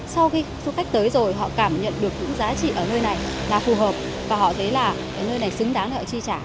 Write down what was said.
sau khi thu hút khách tới rồi họ cảm nhận được những giá trị ở nơi này là phù hợp và họ thấy là nơi này xứng đáng thì họ chi trả